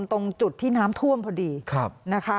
ตรงจุดที่น้ำท่วมพอดีนะคะ